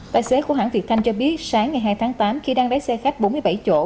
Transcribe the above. tài xế của hãng việt thanh cho biết sáng ngày hai tháng tám khi đang vé xe khách bốn mươi bảy chỗ